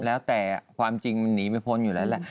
แล้วแต่ความจริงมันหนีไม่พ้นอยู่แล้วแหละ